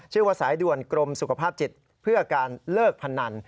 ชื่อว่าสายด่วนกรมสุขภาพจิตเพื่อการเลิกพนัน